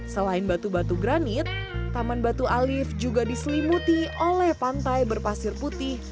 selain batu batu granit taman batu alif juga diselimuti oleh pantai berpasir putih